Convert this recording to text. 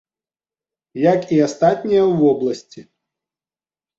Як і астатнія ў вобласці.